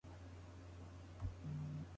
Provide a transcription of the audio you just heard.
皆聞くだけじゃなくて書けよな